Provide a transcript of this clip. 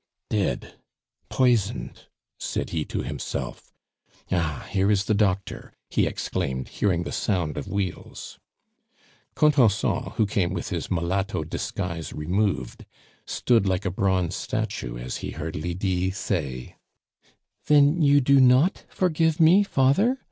"Dead! Poisoned!" said he to himself. "Ah! here is the doctor!" he exclaimed, hearing the sound of wheels. Contenson, who came with his mulatto disguise removed, stood like a bronze statue as he heard Lydie say: "Then you do not forgive me, father?